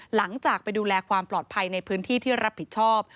หลังจากไปดูแลความปลอดภัยในพื้นที่ที่รับผิดชอบ